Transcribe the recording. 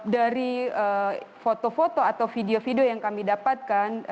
dari foto foto atau video video yang kami dapatkan